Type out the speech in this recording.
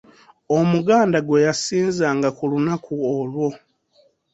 Omuganda gwe yasinzanga ku lunaku olwo.